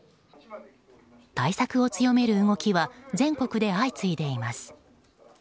対策を強める動きは全国で相次いでいます。